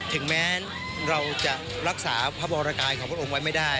ถึงแม้เราจะรักษาพระบรกายของพระองค์ไว้ไม่ได้